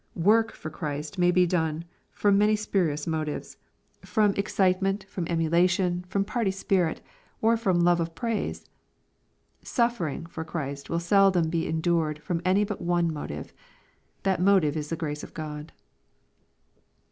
Work for Christ may be done from many spurious motives, from excito LUKE, CHAP. xxn. 431 iiieLt, from eraulation, from party spirit, or from love of praise. Suffering tor Christ will seldom be endured from any but one motive. That motive is the grace of God.